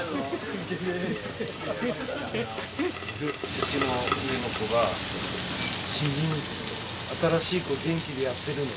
うちの上の子が「新人新しい子元気でやってるの？」